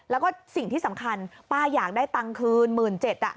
แล้วก็สิ่งที่สำคัญป้าอยากได้ตังค์คืน๑๗๐๐บาท